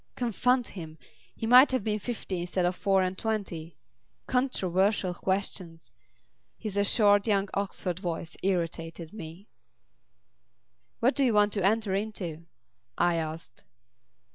Confound him! He might have been fifty instead of four and twenty. Controversial questions! His assured young Oxford voice irritated me. "What do you want to enter into?" I asked.